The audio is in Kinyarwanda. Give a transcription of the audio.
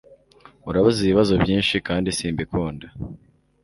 Urabaza ibibazo byinshi kandi simbikunda